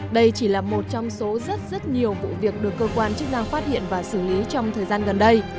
đây chỉ là một trong số rất rất nhiều vụ việc được cơ quan chức năng phát hiện và xử lý trong thời gian gần đây